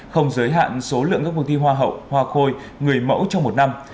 không giới hạn số lượng các cuộc thi hoa hậu hoa khôi người mẫu trong một năm